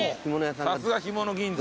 さすがひもの銀座。